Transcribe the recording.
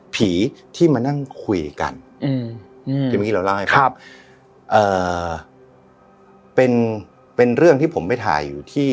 ผีที่มานั่งคุยกันอืมที่เมื่อกี้เราเล่าให้ฟังเป็นเป็นเรื่องที่ผมไปถ่ายอยู่ที่